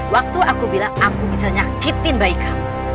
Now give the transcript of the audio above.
waktu aku bilang aku bisa nyakitin bayi